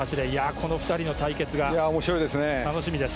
この２人の対決が楽しみです。